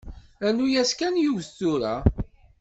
Rnu-yas kan yiwet tura.